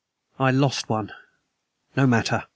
"I lost one." "No matter.